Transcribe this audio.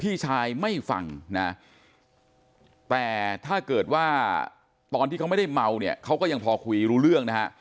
พี่ชายไม่ฟังนะแต่ถ้าเกิดว่าตอนที่เขาไม่ได้เมาเนี่ยเขาก็ยังพอคุยรู้เรื่องนะฮะ